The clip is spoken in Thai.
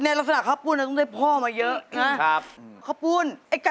ข้ารสนาขาปูนถึงมะเพาะมาเยอะ